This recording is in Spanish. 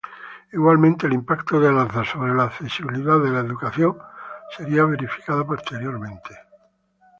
Igualmente, el impacto del alza sobre la accesibilidad a la educación sería verificada periódicamente.